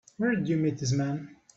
Where'd you meet this man?